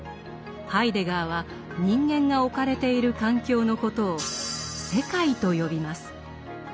ハイデガーは人間が置かれている環境のことを「世界」と呼びます。